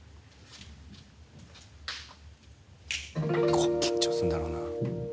ここ緊張するんだろうな。